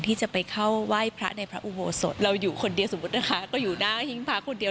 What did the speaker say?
ที่จะไปเข้าไหว้พระในพระอุโบสถเราอยู่คนเดียวสมมุตินะคะก็อยู่ได้หิ้งพระคนเดียว